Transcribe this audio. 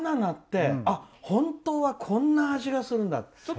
本当はこんな味がするんだって。